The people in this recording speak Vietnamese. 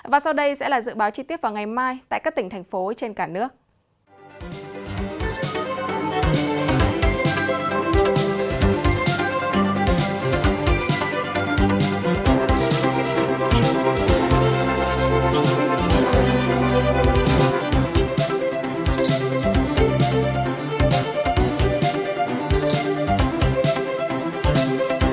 và sau đây sẽ là dự báo chi tiết vào ngày mai tại các tỉnh thành phố trên cả nước